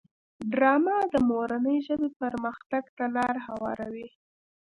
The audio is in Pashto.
ډرامه د مورنۍ ژبې پرمختګ ته لاره هواروي